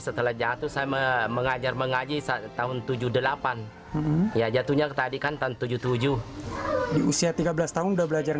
pria yang kini berumur lima puluh empat tahun ini tidak menyerah pada kemampuan